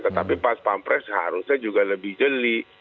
tetapi paspapres seharusnya juga lebih jeli